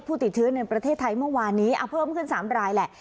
ผู้ติดเชื้อในประเทศไทยเมื่อวานนี้เพิ่มขึ้น๓รายแหละ